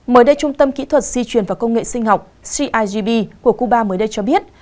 mới đây trung tâm kỹ thuật di truyền và công nghệ sinh học cigb của cuba mới đây cho biết